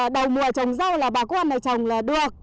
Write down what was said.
đầu mùa trồng rau là bà cô an này trồng là được